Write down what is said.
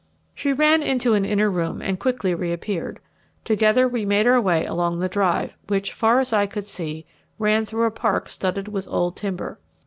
She ran into an inner room and quickly re appeared. Together we made our way along the drive which, far as I could see, ran through a park studded with old timber.